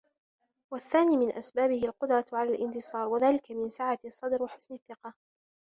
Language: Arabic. وَالثَّانِي مِنْ أَسْبَابِهِ الْقُدْرَةُ عَلَى الِانْتِصَارِ وَذَلِكَ مِنْ سَعَةِ الصَّدْرِ وَحُسْنِ الثِّقَةِ